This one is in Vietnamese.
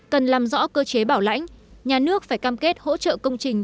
cần làm rõ cơ chế bảo lãnh nhà nước phải cam kết hỗ trợ công trình